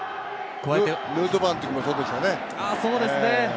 ヌートバーの時もそうでしたね。